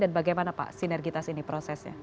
dan bagaimana pak sinergitas ini prosesnya